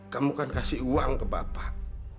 kamu kan kasih uang ke bapak